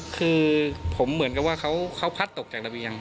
คือผมเหมือนกับว่าเขาพัดตกจากระเบียง